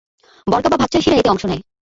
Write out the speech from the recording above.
বর্গা বা ভাগ-চাষীরা এতে অংশ নেয়।